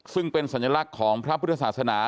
ซึ่งเป็นสัญลักษณ์ของพระพุทธศาสนา